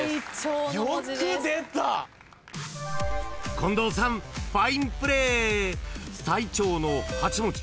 ［近藤さんファインプレー！］